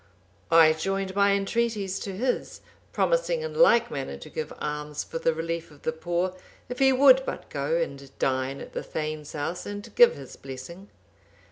I joined my entreaties to his, promising in like manner to give alms for the relief of the poor,(785) if he would but go and dine at the thegn's house, and give his blessing.